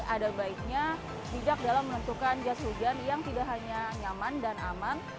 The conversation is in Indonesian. ada baiknya bijak dalam menentukan jas hujan yang tidak hanya nyaman dan aman